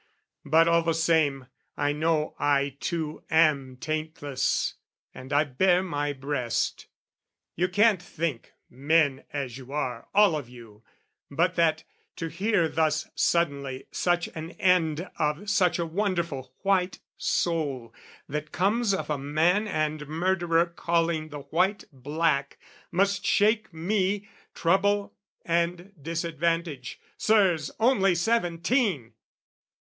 But, all the same, I know I too am taintless, and I bare my breast. You can't think, men as you are, all of you, But that, to hear thus suddenly such an end Of such a wonderful white soul, that comes Of a man and murderer calling the white black, Must shake me, trouble and disadvantage. Sirs, Only seventeen!